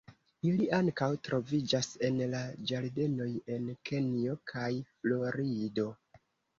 Ili ankaŭ troviĝas en la ĝardenoj en Kenjo kaj Florido.